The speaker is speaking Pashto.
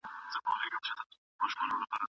مغول اوس د اسلام په اړه معلومات راټولوي.